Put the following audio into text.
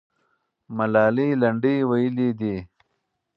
ملالۍ لنډۍ ویلې دي.